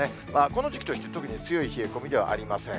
この時期として、特に強い冷え込みではありません。